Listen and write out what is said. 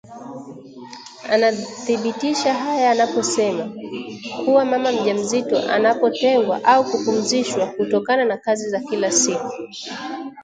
anadhibitisha haya anaposema kuwa mama mjamzito anapotengwa au kupumzishwa kutokana na kazi za kila siku